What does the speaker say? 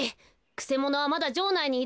くせものはまだじょうないにいる。